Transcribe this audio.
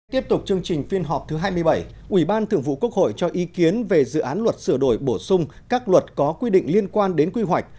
tiếp tục chương trình phiên họp thứ hai mươi bảy ủy ban thượng vụ quốc hội cho ý kiến về dự án luật sửa đổi bổ sung các luật có quy định liên quan đến quy hoạch